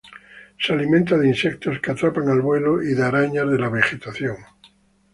Se alimenta de insectos que atrapa al vuelo y de arañas de la vegetación.